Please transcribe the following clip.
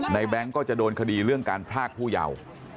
แบงค์ก็จะโดนคดีเรื่องการพรากผู้เยาว์